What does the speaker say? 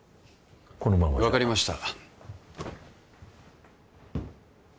このままじゃ分かりました